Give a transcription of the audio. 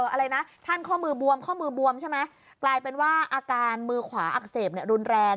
อะไรนะท่านข้อมือบวมข้อมือบวมใช่ไหมกลายเป็นว่าอาการมือขวาอักเสบรุนแรง